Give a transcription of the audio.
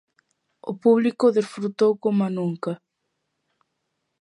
O publico desfrutou coma nunca.